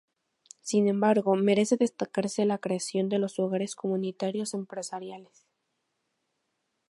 Sin embargo, merece destacarse la creación de los Hogares Comunitarios Empresariales.